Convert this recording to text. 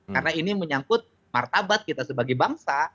karena ini menyangkut martabat kita sebagai bangsa